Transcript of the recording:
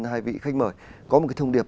hai vị khách mời có một cái thông điệp